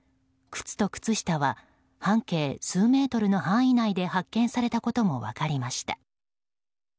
靴と靴下は半径数メートルの範囲内で発見されたことも分かりました。